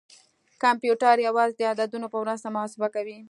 کمپیوټر یوازې د عددونو په مرسته محاسبه کوي.